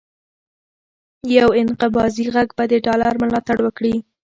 یو انقباضي غږ به د ډالر ملاتړ وکړي،